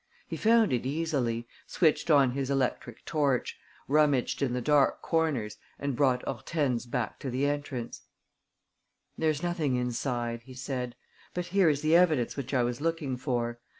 He found it easily, switched on his electric torch, rummaged in the dark corners and brought Hortense back to the entrance: "There's nothing inside," he said, "but here is the evidence which I was looking for.